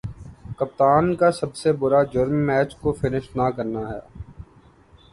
کپتان کا سب سے برا جرم میچ کو فنش نہ کرنا ہے